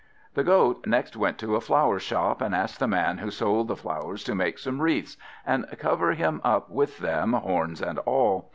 The Goat next went to a flower shop, and asked the man who sold the flowers to make some wreaths, and cover him up with them, horns and all.